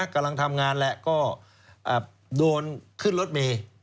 กำลังทำงานแหละก็โดนขึ้นรถเมย์